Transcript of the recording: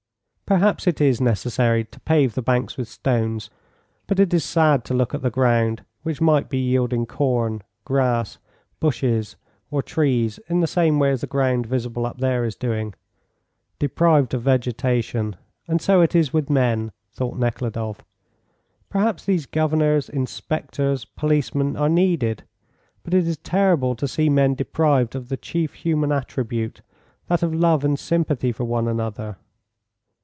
"Perhaps it is necessary to pave the banks with stones, but it is sad to look at the ground, which might be yielding corn, grass, bushes, or trees in the same way as the ground visible up there is doing deprived of vegetation, and so it is with men," thought Nekhludoff. "Perhaps these governors, inspectors, policemen, are needed, but it is terrible to see men deprived of the chief human attribute, that of love and sympathy for one another.